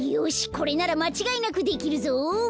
これならまちがいなくできるぞ。